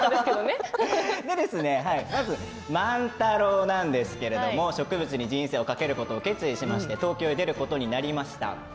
まず万太郎なんですけれど植物に人生をかけることに決意して東京へ出ることになりました。